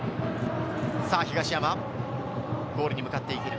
さぁ東山、ゴールに向かっていけるか。